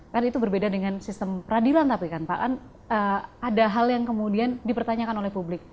kan itu berbeda dengan sistem peradilan tapi kan pak an ada hal yang kemudian dipertanyakan oleh publik